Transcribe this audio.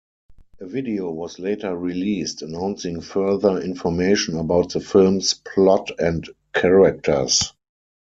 A video was later released announcing further information about the films plot and characters.